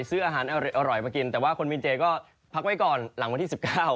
ซื้ออาหารอร่อยมากินแต่ว่าคนมีเจก็พักไว้ก่อนหลังวันที่๑๙